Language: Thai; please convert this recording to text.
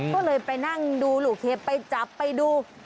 ก็เลยไปนั่งดูหลุงเคพไปจับไปดู